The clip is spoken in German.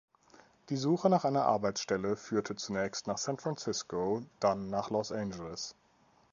Die Suche nach einer Arbeitsstelle führte zunächst nach San Francisco, dann nach Los Angeles.